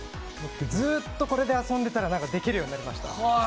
ずーっとこれで遊んでたら、できるようになりました。